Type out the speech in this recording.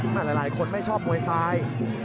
หลายคนไม่ชอบมวยซ้าย